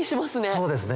そうですね。